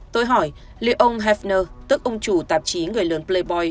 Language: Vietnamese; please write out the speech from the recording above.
tôi hỏi liệu ông hefner tức ông chủ tạp chí người lớn playboy